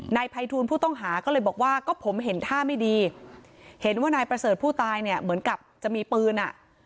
นายภัยทูลผู้ต้องหาก็เลยบอกว่าก็ผมเห็นท่าไม่ดีเห็นว่านายประเสริฐผู้ตายเนี่ยเหมือนกับจะมีปืนอ่ะ